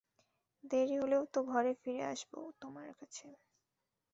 দেরি হলেও তো ঘরে ফিরে আসব, তোমার কাছে।